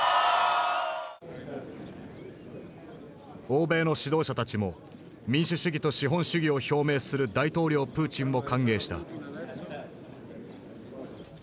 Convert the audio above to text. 欧米の指導者たちも民主主義と資本主義を表明する大統領プーチンを歓迎した。